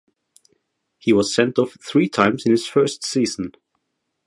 He was sent off three times in his first season.